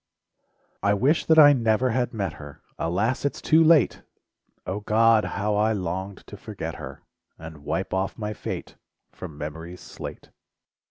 I wish that I never had met her, Alas, it's too late! O God! how I longed to forget her, And wipe off my fate From memory's slate.